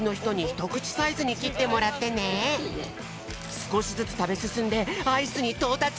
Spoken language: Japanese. すこしずつたべすすんでアイスにとうたつ。